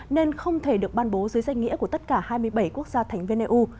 nên không thể được ban bố dưới danh nghĩa của tất cả hai mươi bảy quốc gia thành viên eu